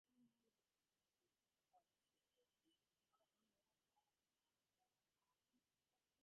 The Corporation also operates in Malta and Iran through joint ventures.